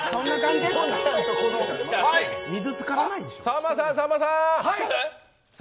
さんまさん、さんまさん。